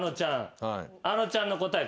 あのちゃんの答え